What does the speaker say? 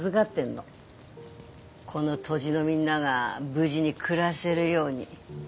この土地のみんなが無事に暮らせるように。